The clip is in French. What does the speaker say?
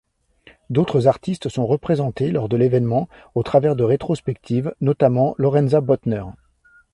D'autres artistes sont représentés lors de l'événement, au travers de rétrospectives, notamment Lorenza Böttner.